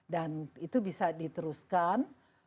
dan itu bisa diteruskan